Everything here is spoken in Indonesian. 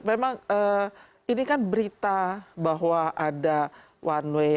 memang ini kan berita bahwa ada one way